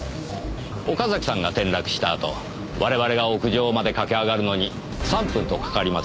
岡崎さんが転落したあと我々が屋上まで駆け上がるのに３分とかかりませんでした。